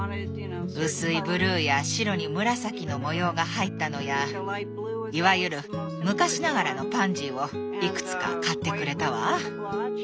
薄いブルーや白に紫の模様が入ったのやいわゆる昔ながらのパンジーをいくつか買ってくれたわ。